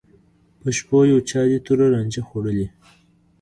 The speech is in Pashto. په شپو یو چا دي تور رانجه خوړلي